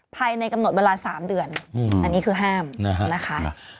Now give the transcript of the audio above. ภายในกำหนดเวลา๓เดือนอันนี้คือห้ามนะคะ